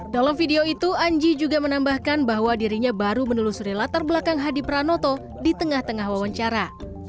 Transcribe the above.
dalam video itu anji juga menambahkan bahwa dirinya baru menelusuri latar belakang hadi pranoto di tengah tengah wawancara